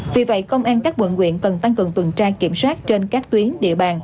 vì vậy công an các quận quyện cần tăng cường tuần tra kiểm soát trên các tuyến địa bàn